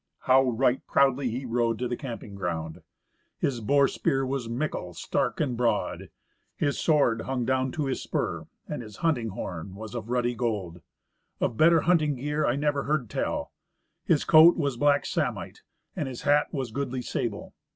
How right proudly he rode to the camping ground! His boar spear was mickle, stark and broad. His sword hung down to the spur, and his hunting horn was of ruddy gold. Of better hunting gear I never heard tell. His coat was black samite, and his hat was goodly sable.